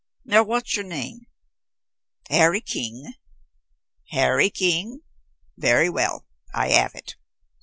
Now what's your name? Harry King? Harry King very well, I have it.